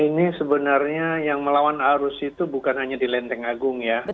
ini sebenarnya yang melawan arus situ